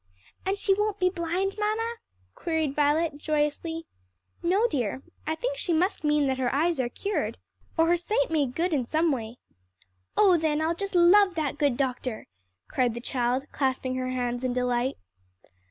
"And she won't be blind, mamma?" queried Violet, joyously. "No, dear; I think that she must mean that her eyes are cured, or her sight made good in some way." "Oh, then, I'll just love that good doctor!" cried the child, clasping her hands in delight.